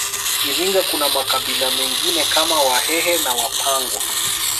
Iringa kuna makabila mengine kama wahehe na wapangwa